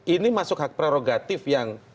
ini masuk hak prerogatif yang